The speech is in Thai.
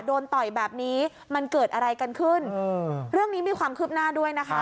ต่อยแบบนี้มันเกิดอะไรกันขึ้นเรื่องนี้มีความคืบหน้าด้วยนะคะ